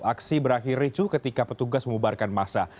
aksi berakhir ricu ketika petugas mengubarkan masa